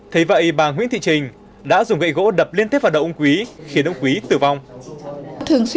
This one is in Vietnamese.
thế vậy bà nguyễn thị trình đã dùng gậy gỗ đập liên tiếp vào đầu ông quý khiến ông quý tử vong